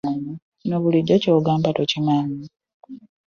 Kino bulijjo ky'ogamba tokimanyi?